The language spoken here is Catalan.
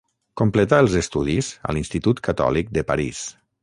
Completà els estudis a l'Institut Catòlic de París.